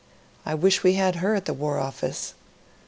I wish we had her at the War Office.'